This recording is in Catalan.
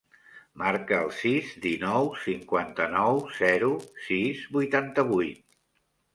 Marca el sis, dinou, cinquanta-nou, zero, sis, vuitanta-vuit.